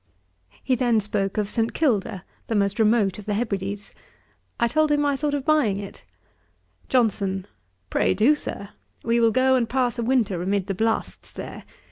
He then spoke of St. Kilda, the most remote of the Hebrides. I told him, I thought of buying it. JOHNSON. 'Pray do, Sir. We will go and pass a winter amid the blasts there.